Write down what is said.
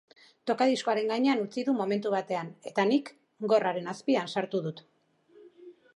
Tokadiskoaren gainean utzi du momentu batean, eta nik gorraren azpian sartu dut.